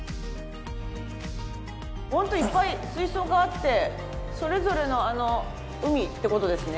ホントいっぱい水槽があってそれぞれの海って事ですね。